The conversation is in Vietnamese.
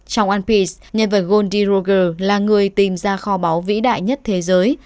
trong one piece nhân vật gondi ruger là người tìm ra kho báu vĩ đại nhất thế giới